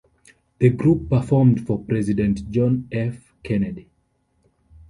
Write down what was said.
The group performed for President John F. Kennedy.